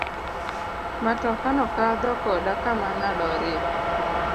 Matoka no kadho koda kama na lorie.